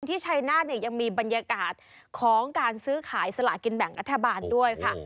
ที่ชัยนาศยังมีบรรยากาศของการซื้อขายสละกินแบ่งอัธบาลด้วยค่ะ